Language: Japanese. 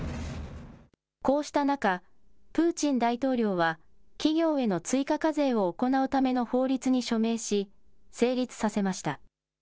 こうした中、プーチン大統領は、企業への追加課税を行うための法律に署名し、成立させました。